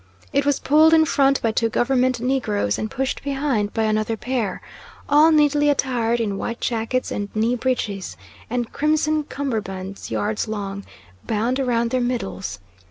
It was pulled in front by two government negroes and pushed behind by another pair, all neatly attired in white jackets and knee breeches, and crimson cummerbunds yards long, bound round their middles.